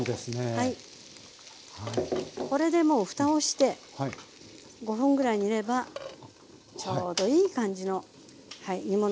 これでもう蓋をして５分ぐらい煮ればちょうどいい感じの煮物が出来上がる。